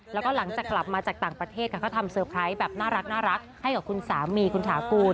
แล้วก็หลังมาจากต่างประเทศก็ทำเซอร์ไพรส์แบบน่ารักให้กับคุณสามีคุณสาหกูล